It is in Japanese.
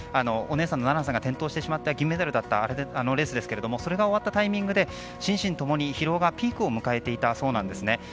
お姉さんの菜那さんが転倒してしまった銀メダルだったレースですがそれが終わったタイミングで心身ともに疲労がピークを迎えていたそうなんですね。